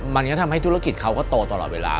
มันก็ทำให้ธุรกิจเขาก็โตตลอดเวลา